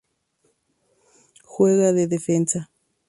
Juega de Defensa.